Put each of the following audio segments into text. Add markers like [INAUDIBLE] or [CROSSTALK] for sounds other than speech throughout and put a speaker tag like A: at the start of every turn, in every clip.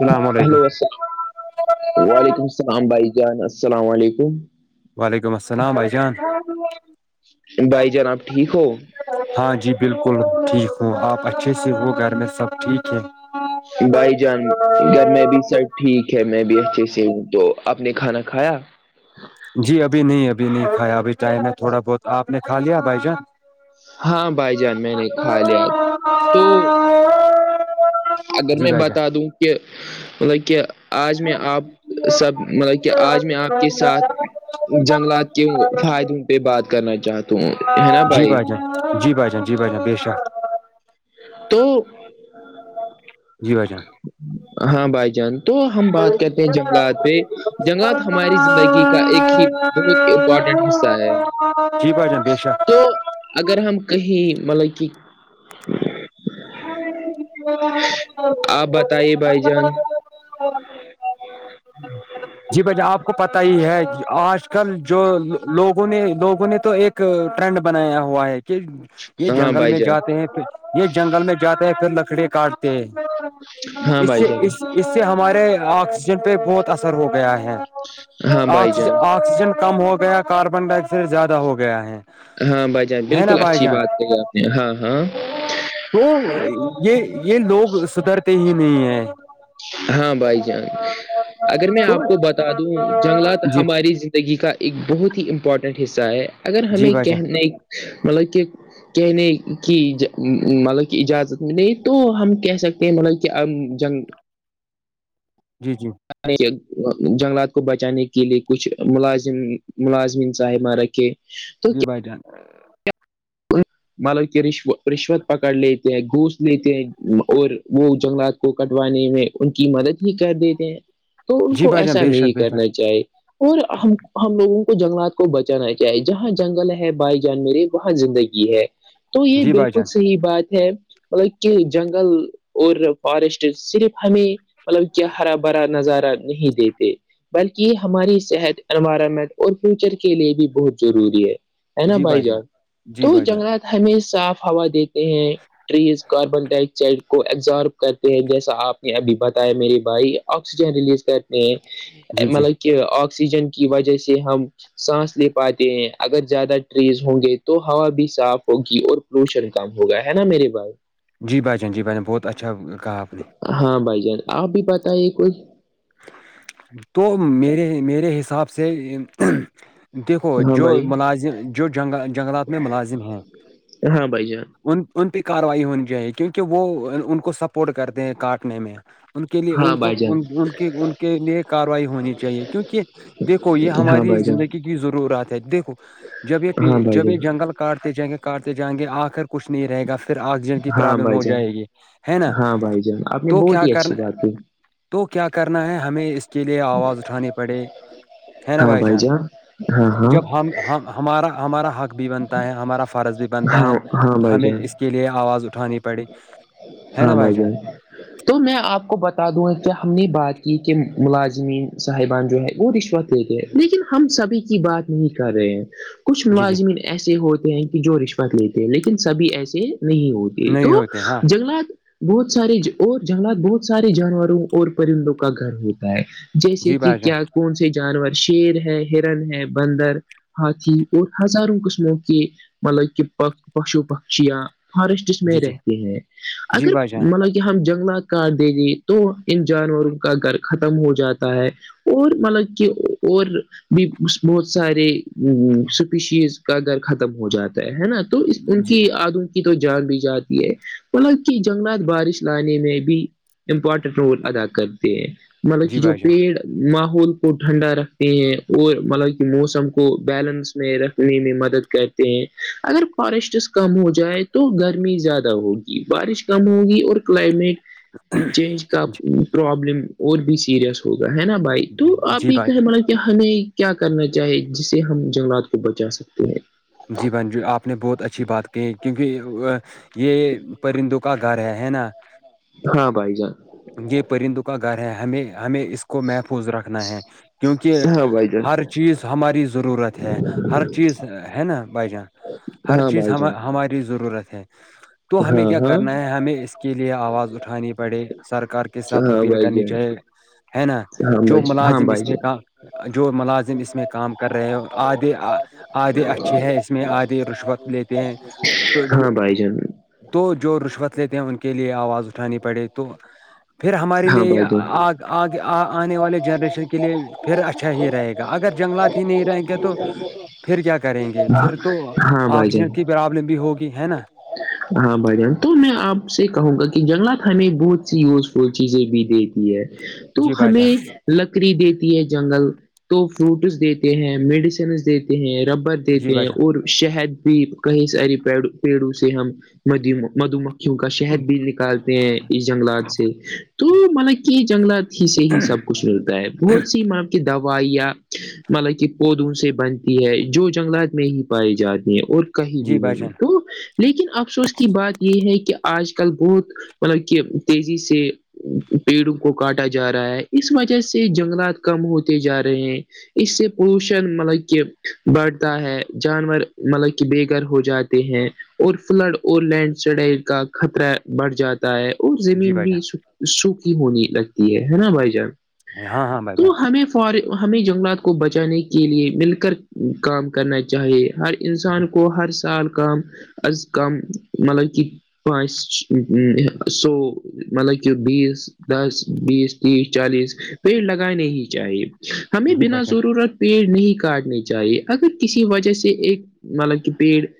A: السلام
B: hello sir
A: علیکم
B: وعلیکم السلام بھائی جان السلام علیکم
A: وعلیکم السلام بھائی جان
B: بھائی جان آپ ٹھیک ہو
A: ہاں جی بالکل ٹھیک ہو آپ اچھے سے ہو گھر میں سب ٹھیک ہے
B: بائی جان گھر میں بھی سر ٹھیک ہے میں بھی اچھے سے ہوں تو آپ نے کھانا کھایا
A: جی ابھی نہیں ابھی نہیں کھایا ابھی ٹائم ہے تھوڑا بہت آپ نے کھا لیا بھائی جان
B: ہاں بھائی جان میں نے کھا لیا تو اگر
A: جی
B: میں
A: بھائی جان
B: بتا دوں کہ مطلب کہ آج میں آپ سب مطلب کہ آج میں آپ کے ساتھ جنگلات کے فائدوں پہ بات کرنا چاہتا ہوں ہے نا بھائی
A: جی بھائی جان جی بائی جان بے شک
B: تو
A: جی بھائی جان
B: ہاں بھائی جان تو ہم بات کرتے ہیں جنگلات پہ جنگلات ہماری زندگی کا ایک ہی بہت امپورٹنٹ حصہ ہے
A: جی بھائی جان بے شک
B: تو اگر ہم کہیں مطلب کہ
A: ہاں
B: آپ بتائیے بھائی جان
A: جی بھ آپ کو پتا ہی ہے آج کل جو لوگوں نے لوگوں نے تو ایک ٹرینڈ بنایا ہوا ہے کہ یہ
B: ہاں
A: جنگل
B: بھائی
A: میں
B: جان
A: جاتے ہیں پ جنگل میں جاتے ہیں پھر لکڑیاں کاٹتے ہیں
B: ہاں
A: اس
B: بھائی جان
A: اس اس سے ہمارے آکسیجن پہ بہت اثر ہو گیا ہے
B: ہاں بھائی
A: آکسیج
B: جان
A: آکسیجن کم ہو گیا کاربن ڈائی آکسائڈ زیادہ ہو گیا ہے
B: ہاں بھائی جان
A: ہے نا
B: بالکل
A: بھائی
B: اچھی بات کہ
A: جان
B: آپ نے ہاں ہاں
A: تو یہ یہ لوگ سدرتے ہی نہیں ہیں
B: ہاں بھائی جان اگر میں
A: تو
B: آپ کو بتا دوں جنگلات
A: جی
B: ہماری زندگی کا ایک بہت ہی امپورٹنٹ حصہ ہے اگر
A: جی
B: ہمیں
A: بھائی جان
B: کہنے مطلب کہ کہنے کی مطلب کہ اجازت م تو ہم کہہ سکتے ہیں مطلب کہ جنگ
A: جی جی
B: جنگلات کو بچانے کے لیے کچھ ملازم ملازمین صاحبہ رکھے
A: [UNINTELLIGIBLE]
B: مان لو کہ رشوت پکڑ لیتے ہیں گھوس لیتے ہیں اور وہ جنگلات کو کٹوانے میں ان کی مدد ہی کر دیتے ہیں تو ان
A: جی
B: کو
A: بھائی جان
B: ایسا
A: بے
B: نہیں
A: شک بے
B: کرنا
A: شک
B: چاہیے اور ہم ہم لوگوں کو جنگلات کو بچانا چاہیے جہاں جنگل ہے بھائی جانور وہاں زندگی ہے تو یہ
A: جی بھائی
B: بالکل
A: جان
B: صحیح بات ہے مطلب کہ جنگل اور فارسٹ صرف ہمیں مطلب کیا ہرا بھرا نظارہ نہیں دیتے بلکہ یہ ہماری صحت انوائرمنٹ اور فیوچر کے لیے بھی بہت ضروری ہے ہے نا بھائی جان
A: جی
B: تو
A: بھائی جان
B: جنگلات ہمیں صاف ہوا دیتے ہیں ٹریز کاربن ڈائی آکسائڈ کو ایبزارب کرتے ہیں جیسا آپ نے ابھی بتایا میرے بھائی آکسسیجن ریلیز کر
A: جی جی
B: مطل کہ آکسیجن کی وجہ سے ہم سانس لے پاتے ہیں اگر زیادہ ٹریز ہوں گے تو ہوا بھی صاف ہوگی اور پولوشن کم ہوگا ہے نا میرے بائی
A: جی بھائیان جی بھائین بہت اچھا کہا آپ نے
B: ہاں بھائی جان آپ بھی پت ہے کوئی
A: تو میرے میرے حساب سے دیکھو
B: ہاں
A: جو
B: بھائی
A: ملازم جونگ جنگلات میں ملازم ہیں
B: ہاں بھائی جان
A: ان ان پہ کاروائی ہونی چاہیے کیونکہ وہ ان کو سپورٹ کرتے ہیں کاٹنے میں ان کے لیے
B: ہاں
A: ان کو
B: بھائی جان
A: ان کی ان کے لیے کاروائی ہونی چاہیے کیونکہ دیکھو یہ
B: ہاں
A: ہماری
B: بھائی جان
A: زندگی کی ضرورت ہے دیکھو جب یہ
B: ہاں بھائی
A: جب یہ
B: جان
A: جنگل کاٹتے جائیں گے کاٹتے جائیں گے آخر کچھ نہیں رہے گاھر پھر آکسیجن کی
B: ہاں
A: پروابلم
B: بھائی
A: ہو
B: جان
A: جائے گی ہے نا
B: ہاں بھائی جان آپ نے
A: تو
B: بہت
A: کیا
B: ہی اچھی
A: کرنا
B: بات کی
A: تو کیا کرنا ہے ہمیں اس کے لیے آواز اٹھانی پڑے ہے نا بھائی جان
B: ہاں ہاں
A: جب ہم ہمارا ہمارا حق بھی بنتا ہے ہمارا فرض بھی بنتا
B: ہاں
A: ہے
B: ہاں
A: تو
B: بھائی
A: ہمیں
B: جان
A: اس کے لیے آواز اٹھانی پڑی ہے نا
B: ہاں
A: بھائی جان
B: بھائیی تو میں آپ کو بتا دوں گا کیا ہم نے بات کی کہ ملازمین صاحبان جو ہے وہ رشوت دیکھ لیکن ہم سبھی کی بات نہیں کر رہے ہیں کچھ
A: جی جی
B: ملازمین ایسے ہوتے ہیں کہ جو رشوت لیتے ہیں لیکن سبھی ایسے نہیں ہوتے یہ تو
A: نہیں ہوتے ہیں۔ ہاں
B: جنگلات بہت سارے اور جنگلات بہت سارے جانوروں اور پرندوں کا گھر ہوتا ہے جیسے
A: جی
B: کہ
A: بھائی جان
B: کیا کون سے جانور شیر ہے ہرن ہے بندر ہاتھی اور ہزاروں قسموں کے مطلب کہ پ پشو پکشیاں فارسٹس میں
A: جی جی
B: رہتے ہیں
A: جی
B: اگر
A: بھائی جان
B: ط کہ ہم جنگلات کاٹ دیں گی تو ان جانوروں کا گھر ختم ہو جاتا ہے اور مطلب کہ اور بھی بہت سارے اسپیشیز کا گھر ختم ہو جاتا ہے نا تو ان
A: جی
B: کی آدوں کی تو جان بھی جاتی ہے مطلب کہ جنگلات بارش لانے میں بھی امپورٹنٹ رول ادا کرتے ہیں مطلب
A: جی
B: کہ جو
A: بھائی
B: پیڑ ماحول کو ٹھنڈا رکھتے ہیں اور مطلب کہ موسم کو بیلنس میں رکھنے میں مدد کہتے ہیں اگر فارسٹس کم ہو جائے تو گرمی زیادہ ہوگی بارش کم ہوگی اور کلائمیٹ چینج کا پرابلم اور بھی سیریس ہوگا ہے نا بھائی تو
A: جان
B: آپ
A: جی
B: ایک
A: بھائی
B: کہ مل ہمیں کیا کرنا چاہی جسے ہم جنگلات کو بچا سکتے ہیں
A: جی بانجو آپ نے بہت اچھی بات کہ کیونکہ یہ پرندوں کا گھر ہے ہے نا
B: ہاں بھائی جان
A: یہ پرندوں کا گھر ہے ہمیں ہمیں اس کو محفوظ رکھنا ہے کیونکہ
B: ہاں بھائی جان
A: ہر چیز ہماری ضرورت ہے ہر چیز ہے نا بھائی جان ہر
B: ہاں
A: چیز
B: بھائی
A: ہم
B: جان
A: ہماری ضرورت ہے تو ہمیں
B: ہاں
A: کیا
B: ہاں
A: کرنا ہے ہمیں اس کے لیے آواز اٹھانی پڑے سرکار کے ساتھ
B: ہاں
A: اپیل
B: بھائی
A: کرنی
B: جان
A: چاہیے ہے نا جو
B: ہاں
A: ملازم
B: بھائی
A: اس میں
B: جان
A: کا جو ملازم اس میں کام کر رہے ہو آھے آدھے اچھے ہے اس میں آدھے رشوت لیتے ہیں تو جو
B: ہاں بھائی جان
A: تو جو رشوت لیتے ہیں ان کے لیے آواز اٹھانی پڑے تو پھر ہمارے
B: ہاں
A: لیے
B: بھائی جان
A: آ آگے آنے والے جنریشن کے لیے پھر اچھا ہی رہے گا اگر جنگلات ہی نہیں رہیں گے تو پھر کیا کریں گے پھر تو
B: ہاں بھائی جان
A: آکسیجن کی پرابلم بھی ہوگی ی ہے نا
B: ہاں بھائی جان تو میں آپ سے کہوں گا کہ جنگلات ہمیں بہت سی یوز وہ چیزیں بھی دیتی ہے تو
A: جی بھائی جان
B: ہمیں لکڑی دیتی ہے جنگل تو فروٹس دیتے ہیں میڈیسنس دیتے ہیں ربر
A: جی
B: دیتے ہیں
A: بھائی جان
B: اور شہد بھی کہیں ساری پیڑوں سے ہم م مدو م کیونکہ شہد بھی نکالتے ہیں اس جنگلات سے تو مانا کہ جنگلات ہی سے ہی سب کچھ ملتا ہے بہت سی ماں آپ کی دعوت مطلب کہ پودوں سے بنتی ہے جو جنگلات میں ہی پائے جاتی ہیں اور کہیں بھی
A: جی بھائی
B: نہیں
A: جان
B: تو لیکن افسوس کی بات یہ ہے کہ آج کل بہت مطلب کہ تیزی سے پیڑوں کو کاٹا جا رہا ہے اس وجہ سے جنگلات کم ہوتے جا رہے ہیں اس سے پولوشن مطلب کہ بڑھتا ہے جانور مطلب کہ بے گھر ہو جاتے ہیں اور فلڈ اور لینڈ سڈ کا خطرہ بڑھ جاتا ہے اور
A: جی
B: زمین
A: بھائی
B: بھی سوکھی ہونی لگتی ہے نا بھائی جان
A: ہاں ہاں بھائیان
B: فار ہمیں جنگلات کو بچانے کے لیے مل کر کام کرنا چاہیے ہر
A: جی
B: انسان کو ہر سال کام از کم مطلب کہ پانچ سو مطلب جو بیس دس بیس تیس چالیس پیڑ لگانے ہی چاہیے ہمیں
A: جی
B: بنا
A: بھائی جان
B: ضرورت پیڑ نہیں کاٹنے چاہیے اگر کسی وجہ سے ایک مطلب کہ پیڑ ا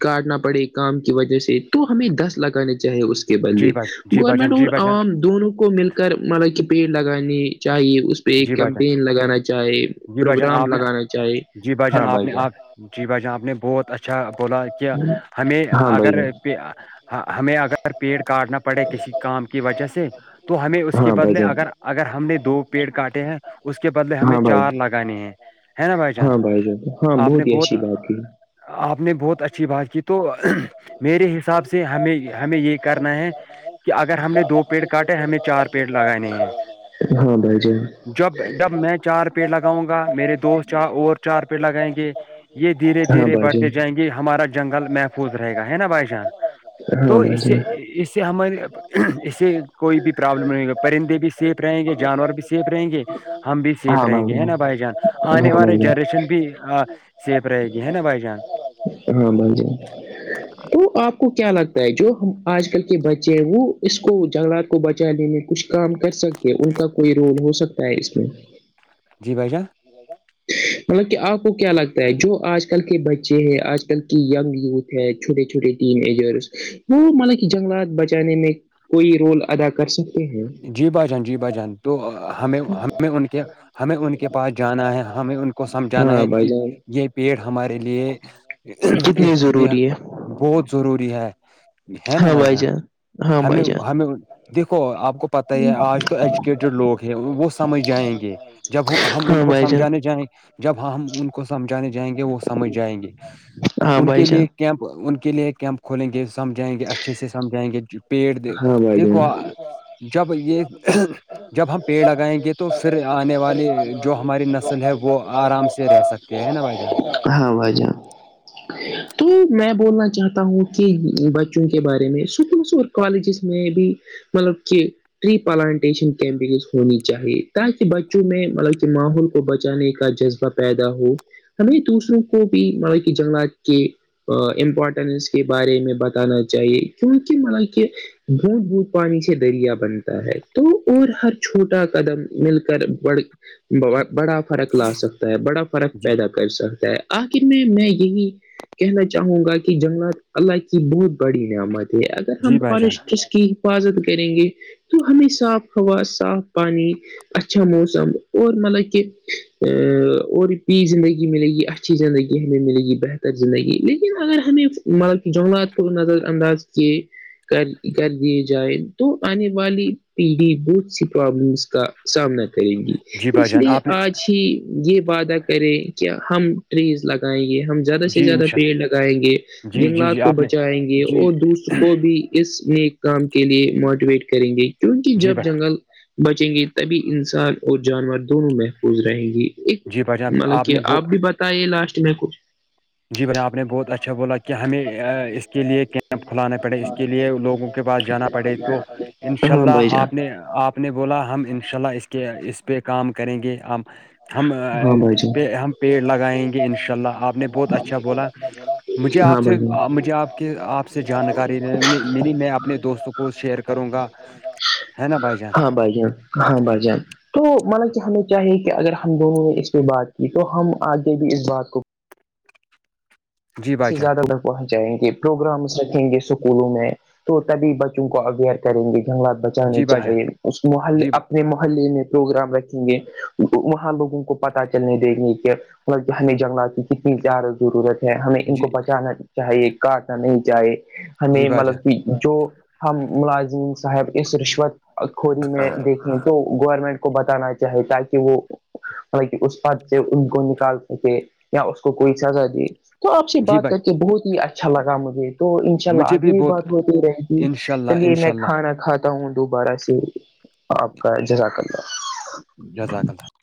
B: کاٹنا پڑے کام کی وجہ سے تو ہمیں دس لگانے چاہے اس کے بدلے
A: جی بھائی جی بھائی
B: گورنمنٹ
A: جان جی
B: اور
A: بھائی جان
B: عوام دونوں کو مل کر مطلب کہ پیڑ لگانے چاہیے اس پ
A: جی بھائی جان
B: کیمپین لگانا چاہے
A: جی بھائی جان
B: پروگرام
A: آپ نے
B: لگانا چاہے
A: جی
B: ہاں
A: آپ
B: بھائی
A: نے
B: جان
A: آپ جی بھائی جان آپ نے بہت اچھا بولا کہ ہمیں
B: ہاں بھائی
A: اگر
B: جان
A: ہ ہمیں اگر پیڑ کاٹنا پڑے کسی کام کی وجہ سے تو ہمیں اس کے
B: ہاں بھائی
A: بدلے
B: جان
A: اگر اگر ہم نے دو پیڑ کاٹے ہیں اس کے بدلے ہمیں
B: ہاں بھائی
A: چار لگانے ہیں ہے نا بھائی جان
B: ہاں ہاں
A: آپ نے
B: ہی
A: بہت
B: اچھی بات کی
A: آپ نے بہت اچھی بات کی تو میرے حساب سے ہمیں ہمیں یہ کرنا ہے کہ اگر ہم نے دو پیڑ کاٹے ہمیں چار پیڑ لگانے ہیں
B: ہاں بھائی جے
A: جب جب میں چار پیڑ لگاؤں گا میرے دوست اور چار پیڑ لگائیں گے یہ دھیرے
B: ہاں
A: دھیرے
B: بھائی
A: بڑھتے
B: جان
A: جائیں گے ہمارا جنگل محفوظ رہے گا ہے نا بھائی جان
B: ہاں بھائی جان
A: تو
B: ہاں بھائی
A: اسے
B: جان
A: اس ہمارے اس سے کوئی بھی پرابلم نہیں ہوگا پرندے بھی سیف رہیں گے جانور بھی سیف رہیں گے ہم بھی سیف رہیں گے ہے نا بھائی جان آنے
B: ہاں بھائی
A: والے جنریشن بھی
B: جان
A: سیف رہے گی ہے نا بھائی جان
B: ہاں بول جائے تو آپ کو کیا لگتا ہے جو ہم آج کل کے بچے ہیں وہ اس کو جنگلات کو بچا لینے کچھ کام کر سکتے ان کا کوئی رول ہو سکتا ہے اس میں
A: جی بھ جان
B: مطلب کہ آپ کو کیا لگتا ہے جو آج کل کے بچے ہیں آج کل کی یگ یوتھ چھوٹے چھوٹے ٹیم ایجرس وہ مطلب کہ جنگلات بچانے میں کوئی رول ادا کر سکتے ہیں
A: جی با جان جی باجان تو ہمیں ہمیں ان کے ہمیں ان کے پاس جانا ہے ہمیں ان کو سمجھانا
B: ہاں
A: ہے
B: بھائی
A: کہ
B: جان
A: یہ پیڑ ہمارے لیے
B: کتنی
A: یہ
B: ضروری ہے
A: بہت ضروری ہے ہے نا بھائی جان
B: ہاں
A: ہمیں
B: بھائی جان
A: ہمیں دیکھو آپ کو پت ہی ہے آج تو ایجوکیٹڈ لوگ ہیں وہ سمجھ جائیں گے جب ہم ان
B: ہاں
A: کو
B: بھائی جان
A: سمجھانے جائیںے جب ہم ان کو سمجھانے جائیں گے وہ سمجھ جائیں گے
B: ہاں
A: ان کے
B: بھائی
A: لیے
B: جان
A: کیمپ ان کے لیے کیمپ کھولیں گے سمجھائیں گے اچھے سے سمجھائیں گے پیڑ دیکھو
B: جب
A: پیڑ
B: جب ہم
A: لگائیں
B: تیز
A: گے تو
B: آائیں
A: پھر
B: گے تو
A: آنے
B: پھر
A: والی
B: آنے
A: جو
B: والی
A: ہماری
B: جو
A: نسل ہے
B: ہماری
A: وہ
B: نسل ب
A: سے رہ
B: آرام
A: سکتے ہیں نا بھائی جان
B: سے [UNINTELLIGIBLE] ہاں وجہ تو میں بولنا چاہتا ہوں کہ کے بارے میں سکولس اور کالجز میں بھی مطلب کہ ٹری پلانٹیشن کیمپینز ہونی چاہیے تاکہ بچوں میں مطلب کہ ماحول کو بچانے کا جذبہ پیدا ہو ہمیں دوسروں کو بھی مطب کہ جنگلات کے امپورٹنس کے بارے میں بتانا چاہیے کیونکہ ملب کہ بھوت بھوت پانی سے دریا بنتا ہے تو اور ہر چھوٹا قدم مل کر بڑھ بڑا فرق لا سکتا ہے بڑا فرق
A: جی
B: پیدا کرتا کر سکتا ہے آخر میں میں یہی کہنا چاہوں گا کہ جنگلات اللہ کی بہت بڑی نعمت ہے اگر ہم
A: جی بھائی جان
B: فارسٹرس کی حفاظت کریں گے تو ہمیں صاف ہوا صاف پانی اچھا موسم اور مطلب کہ اورپی زندگی ملے گی اچھی زندگی ہمیں ملے گی بہتر زندگی لیکن اگر ہمیں مطلب کہ جنگلات کو نظر انداز کی کر کر دیے جائے تو آنے والی پیڑھی بہت سی پرابلمس کا سامنا کرے گی
A: جی بھائی
B: اس
A: جان
B: لیے
A: آپ نے
B: آج ہی یہ وعدہ کرے کہ ہم ٹریز لگائیں گے ہم زیادہ سے
A: جی
B: زیادہ
A: انشاء
B: پیڑ لگائیں گے
A: اللہ جی جی
B: جنگلات
A: جی
B: کو
A: آپ نے
B: بچائیں گے
A: جی
B: اور دوسر کو بھی اس ن کام کے لیے موٹیویٹ کریں گے کیونکہ
A: جی
B: جب
A: بھائی
B: جنگل [UNINTELLIGIBLE] بچیں گے تبھی انسان اور جانور دونوں محفوظ رہیں گی ایک
A: جی بھائی جان
B: مطلب کہ
A: نے وہ
B: آپ بھی بتے لاسٹ میں کو
A: جی بھائی آپ نے بہت اچھا بولا کہ ہمیں اس کے لیے کیمپ کھلانا پڑے اس کے لیے لوگوں کے پاس جانا پڑے تو انشاء
B: ہاں بھائی
A: اللہ
B: جان
A: آپ نے آپ اپ نے بولا ہم انشاء اللہ اس کے اس پہ کام کریں گے ہم ہم
B: ہاں بھائی جان
A: ہم پیڑ لگائیں گے انشاء اللہ آپ نے بہت اچھا بولا مجھے
B: ہاں
A: آپ سے
B: بھائی جان
A: مجھے آپ کے آپ سے جانکاری ملی میں اپنے دوستوں کو کو شیئر کروں گا ہے نا بھائی جان
B: ہاں بھائیں [UNINTELLIGIBLE] ہاں بھ جان تو مانا کہ ہمیں چاہیے کہ اگر [UNINTELLIGIBLE] ہم دونوں نے اس پہ بات کی تو ہم آگے بھی اس بات کو
A: جی بھائی
B: سے
A: جان
B: زیادہ ترگ پہنچ جائیں گے پروگرامس رکھیں گے اسکولوں میں [UNINTELLIGIBLE] تو تبھی بچوں کو اویئر کریں گے جنگلات بچانے
A: جی بھائی جان
B: چاہیے اس محلےنے
A: جی ب-
B: اپنے محلے میں پروگرام رکھیں گے وہاں لوگوں کو پتا چلنے دیکھنے کے مطلب کہ ہمیں جنگلات کی کتنی زیادہ ضرورت ہے ہمیں ان
A: جی
B: کو بچانا چاہیے کاٹنا نہیں چاہے
A: جی
B: ہمیں
A: بھائی جان
B: مطلب کہ جو ہم ملازم صاحب اس رشوت کوری میں
A: ہاں
B: دیکھ تو گورنمنٹ کو بتانا چاہے تاکہ وہ مطل کہ اس پد سے ان کو نکال س تھے یا اس کوئی سزا دی [UNINTELLIGIBLE] تو آپ سے
A: جی
B: بات
A: بھائی
B: کر کے بہت ہی اچھا لگا مجھے تو انشاء اللہ
A: مجھے
B: آگے بھی
A: بہت
B: بات ہوتی رہ گی
A: انشاء اللہ
B: چلیے
A: انشاء
B: میں
A: اللہ
B: کھانا کھاتا ہوں دوبارہ سے آپ کا جزا کرنا
A: جزااکد